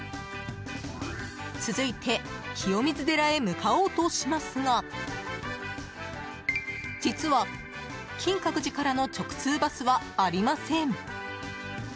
続いて清水寺へ向かおうとしますが実は、金閣寺からの直通バスはありません。